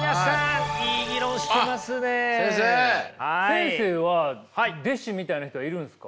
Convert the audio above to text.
先生は弟子みたいな人はいるんですか？